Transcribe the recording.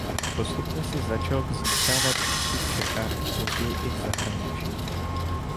Postupně si začal získávat úctu v Čechách a později i v zahraničí.